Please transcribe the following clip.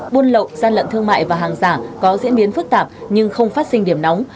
buôn lậu gian lận thương mại và hàng giả có diễn biến phức tạp nhưng không phát sinh điểm nóng